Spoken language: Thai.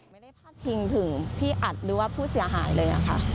พาดพิงถึงพี่อัดหรือว่าผู้เสียหายเลยค่ะ